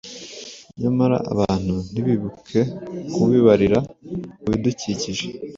nyamara abantu ntibibuke kubibarira mu bidukikije?